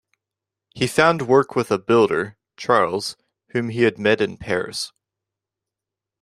He found work with a builder, Charles, whom he had met in Paris.